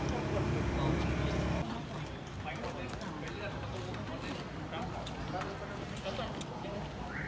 กลับมาเมื่อเวลาเท่าไหร่มีเวลาเท่าไหร่มีเวลาเท่าไหร่มีเวลาเท่าไหร่